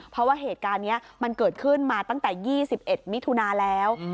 เพราะว่าเหตุการณ์นี้มันเกิดขึ้นมาตั้งแต่๒๑มิถุนาแล้ว